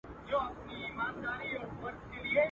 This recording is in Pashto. د لوی ځنګله پر څنډه.